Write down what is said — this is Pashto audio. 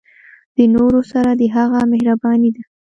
د نورو سره د هغه مهرباني ده.